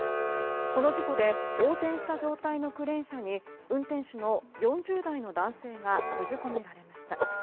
この事故で横転した状態のクレーン車に運転手の４０代の男性が閉じ込められました。